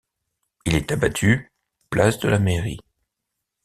Il est abattu place de la Mairie.